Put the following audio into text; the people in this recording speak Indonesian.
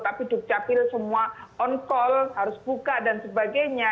tapi dukcapil semua on call harus buka dan sebagainya